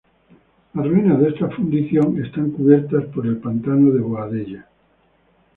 Las ruinas de esta fundición están cubiertas por el pantano de Boadella.